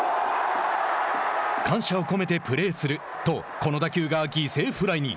感謝を込めてプレーするとこの打球が犠牲フライに。